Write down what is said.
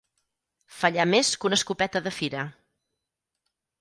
Fallar més que una escopeta de fira.